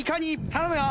頼むよ！